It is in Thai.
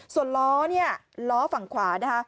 ส่วนล้อเนี่ยล้อฝั่งขวานะคะ